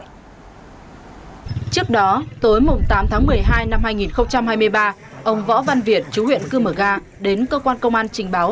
trước đó tối tám tháng một mươi hai năm hai nghìn hai mươi ba ông võ văn việt chú huyện cư mờ ga đến cơ quan công an trình báo